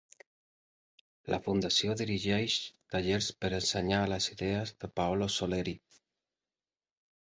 La fundació dirigeix tallers per ensenyar les idees de Paolo Soleri.